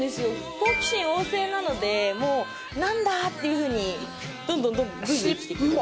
好奇心旺盛なのでもう何だ？っていうふうにどんどんどんどんブイブイきてくれます